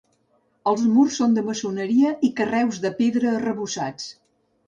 Els murs són de maçoneria i carreus de pedra arrebossats.